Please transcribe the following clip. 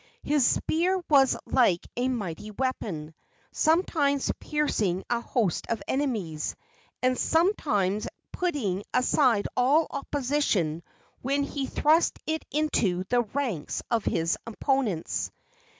His spear was like a mighty weapon, sometimes piercing a host of enemies, and sometimes putting aside all opposition when he thrust it into the ranks of his opponents.